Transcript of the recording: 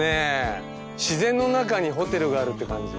自然の中にホテルがあるって感じ。